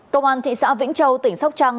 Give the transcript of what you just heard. công an thị xã vĩnh châu tỉnh sóc trăng